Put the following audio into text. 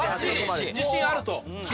自信あると。